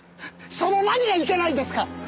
その何がいけないんですか？